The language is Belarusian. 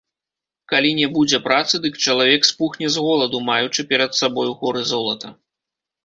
Калі не будзе працы, дык чалавек спухне з голаду, маючы перад сабою горы золата.